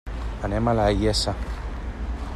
Anem a la Iessa.